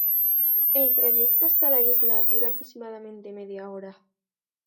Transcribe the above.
El trayecto hasta la isla dura aproximadamente media hora.